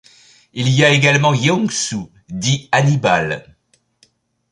Il y a également Yeong-su dit Hannibal.